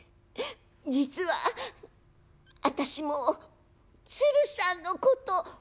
実は私も鶴さんのこと」。